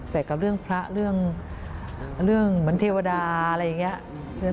แต่กับเรื่องพระเรื่องเหมือนเทวดาอะไรอย่างนี้